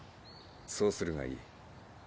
そうするがいい。